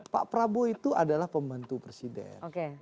pak prabowo itu adalah pembantu presiden